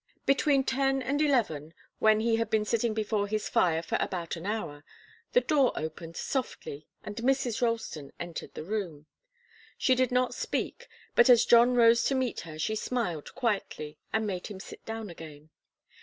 Between ten and eleven, when he had been sitting before his fire for about an hour, the door opened softly and Mrs. Ralston entered the room. She did not speak, but as John rose to meet her she smiled quietly and made him sit down again.